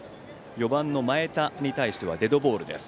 ４番の前田に対してはデッドボールです。